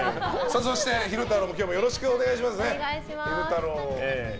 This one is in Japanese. そして昼太郎も今日もよろしくお願いしますね。